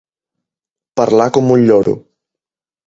Parlar com un lloro.